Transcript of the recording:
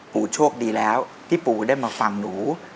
โชคดีแล้วพี่ปูได้มาฟังหนู